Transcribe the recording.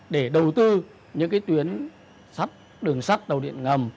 để đầu tư những tuyến sắt đường sắt tàu điện ngầm